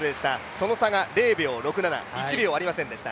その差が０秒６７、１秒ありませんでした。